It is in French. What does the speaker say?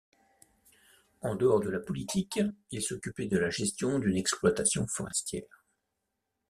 En dehors de la politique, il s'occupait de la gestion d'une exploitation forestière.